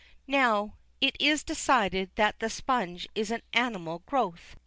Now it is decided that the sponge is an animal growth.